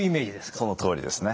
そのとおりですね。